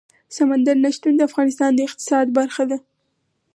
سمندر نه شتون د افغانستان د اقتصاد برخه ده.